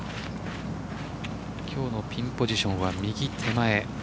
今日のピンポジションは右手前。